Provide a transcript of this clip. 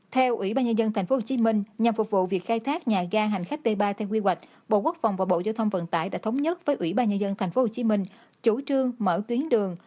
theo ủy ban nhân dân tp hcm nhằm phục vụ việc khai thác nhà ga hành khách t ba theo quy hoạch bộ quốc phòng và bộ giao thông vận tải đã thống nhất với ủy ban nhân dân tp hcm chủ trương mở tuyến đường